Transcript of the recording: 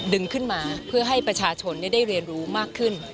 ดึงขึ้นมาเพื่อให้ประชาชนได้เรียนรู้มากขึ้น